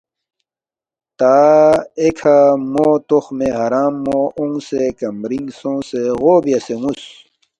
تا ایکھہ مو تُخمِ حرام مو اونگسے کمرِنگ سونگسے غو بیاسے نُ٘وس